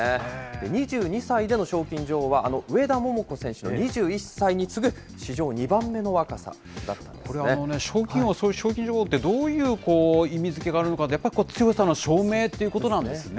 ２２歳での賞金女王はあの上田桃子選手の２１歳に次ぐ、これ、賞金王、賞金女王ってどういう意味づけがあるのかというと、やっぱり強さの証明ってことなんですね。